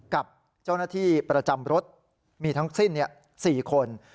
กับเจ้าหน้าที่ประจำรถมีทั้งสิ้น๔คน